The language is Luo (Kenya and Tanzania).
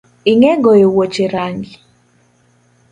Ing’e goyo wuoche rangi?